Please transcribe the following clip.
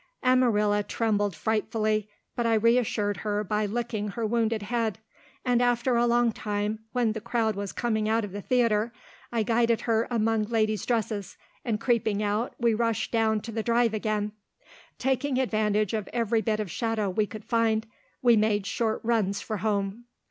Amarilla trembled frightfully, but I reassured her by licking her wounded head, and after a long time, when the crowd was coming out of the theatre, I guided her among ladies' dresses, and creeping out, we rushed down to the Drive again. Taking advantage of every bit of shadow we could find, we made short runs for home.